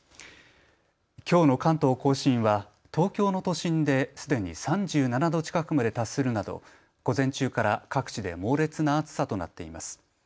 きょうの関東甲信は東京の都心ですでに３７度近くまで達するなど午前中から各地で猛烈な暑さとなっています。